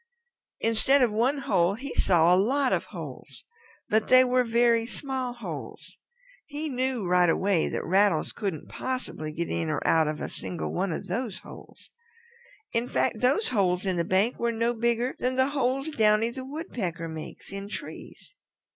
Instead of one hole he saw a lot of holes, but they were very small holes. He knew right away that Rattles couldn't possibly get in or out of a single one of those holes. In fact, those holes in the bank were no bigger than the holes Downy the Woodpecker makes in trees.